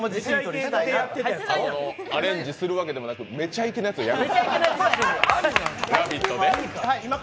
アレンジするわけでもなく、「めちゃイケ」のやつをやる？